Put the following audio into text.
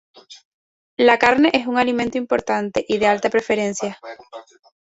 La carne es un alimento importante y de alta preferencia.